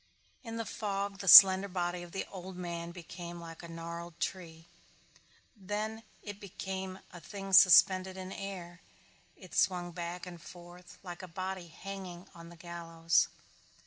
In the fog the slender body of the old man became like a little gnarled tree. Then it became a thing suspended in air. It swung back and forth like a body hanging on the gallows.